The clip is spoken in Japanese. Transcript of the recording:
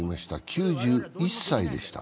９１歳でした。